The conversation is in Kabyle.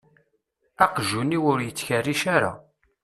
Aqjun-iw ur yettkerric ara.